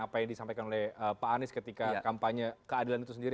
apa yang disampaikan oleh pak anies ketika kampanye keadilan itu sendiri